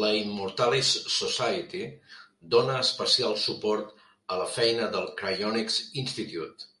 La Immortalist Society dóna especial suport a la feina del Cryonics Institute.